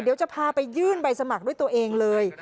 เดี๋ยวจะพาไปยื่นใบสมัครด้วยตัวเองเลย